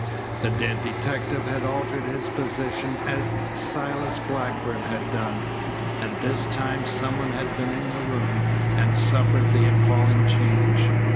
The dead detective had altered his position as Silas Blackburn had done, and this time someone had been in the room and suffered the appalling change.